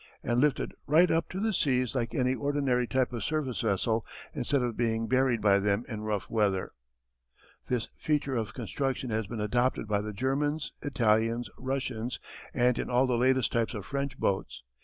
and lifted right up to the seas like any ordinary type of surface vessel, instead of being buried by them in rough weather. This feature of construction has been adopted by the Germans, Italians, Russians, and in all the latest types of French boats.